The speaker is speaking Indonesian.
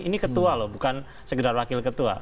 ini ketua loh bukan sekedar wakil ketua